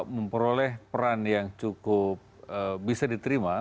memperoleh peran yang cukup bisa diterima